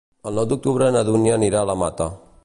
El nou d'octubre na Dúnia anirà a la Mata.